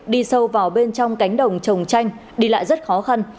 đi sâu vào bên trong cánh đồng trồng chanh đi lại rất khó khăn